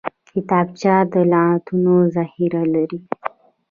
کتابچه د لغتونو ذخیره لري